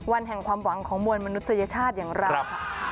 วันแห่งความหวังของมวลมนุษยชาติอย่างเราค่ะ